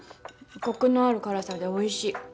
コクのある辛さでおいしい。